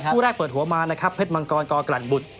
คู่แรกเปิดหัวมานะครับเพชรมังกรกลั่นบุตร